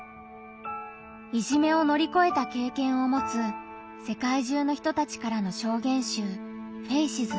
いじめを乗り越えた経験を持つ世界中の人たちからの証言集「ＦＡＣＥＳ」。